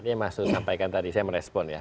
jadi mas uud sampaikan tadi saya merespon ya